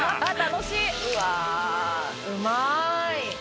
うわうまい。